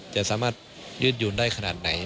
จะสามารถยืดหยุ่นได้ขนาดไหน